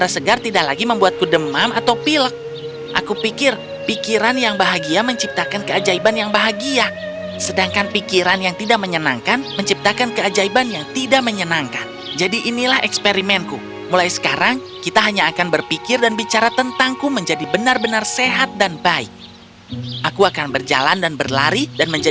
segala sesuatu di sekitarnya membuatnya berpikir tentang colin